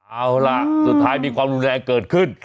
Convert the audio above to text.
เอาล่ะสุดท้ายมีความรุนแรงเกิดขึ้น